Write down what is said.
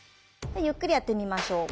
ゆっくりやってみましょう。